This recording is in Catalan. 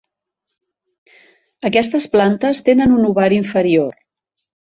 Aquestes plantes tenen un ovari inferior.